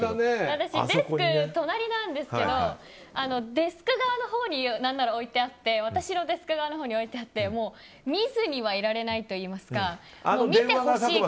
私、デスク隣なんですけどデスク側のほうに私のデスク側のほうに何なら置いてあってもう見ずにはいられないといいますか。